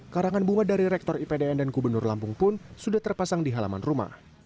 karangan bunga dari rektor ipdn dan gubernur lampung pun sudah terpasang di halaman rumah